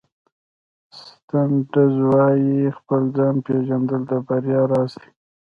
سن ټزو وایي خپل ځان پېژندل د بریا راز دی.